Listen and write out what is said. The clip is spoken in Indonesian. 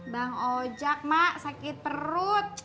bang ojek mak sakit perut